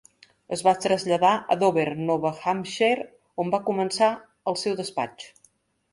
Es va traslladar a Dover (Nova Hampshire), on va començar el seu despatx.